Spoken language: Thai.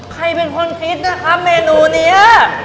ใครเป็นคนคิดนะครับเมนูนี้